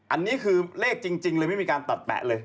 อันนี้คือเลขจริงเลยไม่มีการตัดแปะเลย